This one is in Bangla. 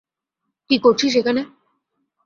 কি করছিস এখানে?